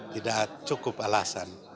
tidak cukup alasan